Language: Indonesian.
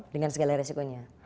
dengan segala resikonya